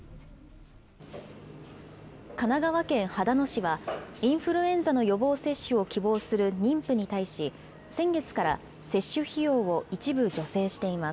神奈川県秦野市は、インフルエンザの予防接種を希望する妊婦に対し、先月から接種費用を一部助成しています。